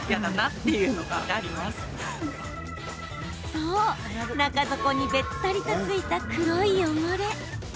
そう、中底にべったりと付いた黒い汚れ。